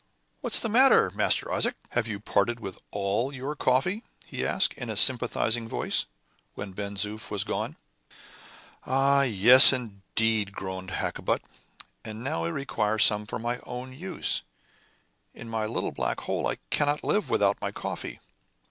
"What's the matter, Master Isaac? Have you parted with all your coffee?" he asked, in a sympathizing voice, when Ben Zoof was gone. "Ah! yes, indeed," groaned Hakkabut, "and now I require some for my own use. In my little black hole I cannot live without my coffee."